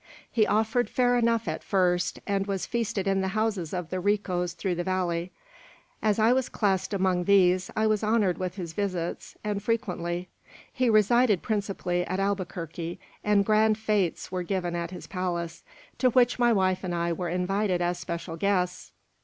"He offered fair enough at first, and was feasted in the houses of the ricos through the valley. As I was classed among these, I was honoured with his visits, and frequently. He resided principally at Albuquerque; and grand fetes were given at his palace, to which my wife and I were invited as special guests.